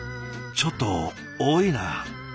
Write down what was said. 「ちょっと多いな」。